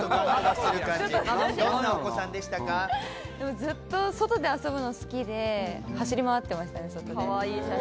ずっと外で遊ぶの好きで、走り回ってましたね。